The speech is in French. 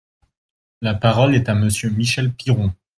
La parole est à Monsieur Michel Piron.